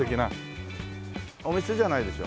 お店じゃないでしょ？